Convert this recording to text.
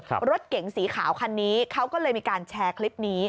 รถเก๋งสีขาวคันนี้เขาก็เลยมีการแชร์คลิปนี้